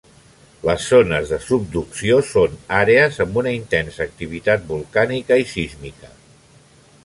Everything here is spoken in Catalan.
Les zones de subducció són àrees amb una intensa activitat volcànica i sísmica.